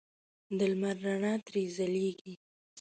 د لمر رڼا ترې ځلېږي.